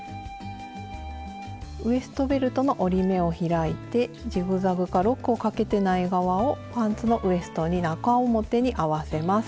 ウエストベルトの折り目を開いてジグザグかロックをかけてない側をパンツのウエストに中表に合わせます。